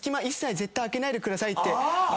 一切絶対開けないでくださいって。